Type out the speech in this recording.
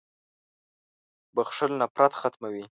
• بخښل نفرت ختموي.